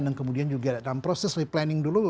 dan kemudian juga dalam proses re planning dulu